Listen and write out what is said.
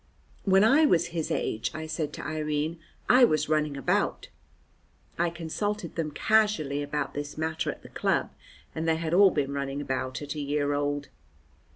"When I was his age," I said to Irene, "I was running about." I consulted them casually about this matter at the club, and they had all been running about at a year old.